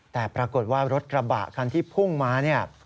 แต่ปรากฏว่ารถกระบะคันที่พุ่งมาเนี่ย